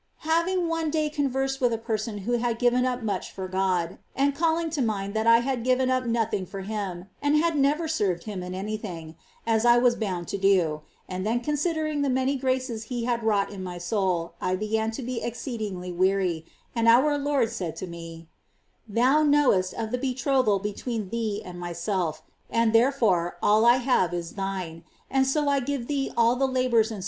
8. Having one day conversed with a person who had given up much for God, and calling to mind beSotSf^ that I had given up nothing for Him, and had never served Him in any thing, as I was bound to do, and then con sidering the many graces He had via ought in my soul, I began to be exceedingly weary ; and our Lord said to me :" Thou knowest of the betrothal between thee and Myself, and there fore all I have is thine ; and so I give thee all the labom's and ' Fra Jerome Gratian (Z>e la Fuente). 432 S. TERESA'S RELATIONS [REL. IX.